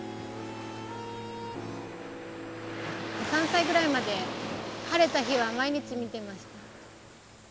３歳ぐらいまで晴れた日は毎日見てました。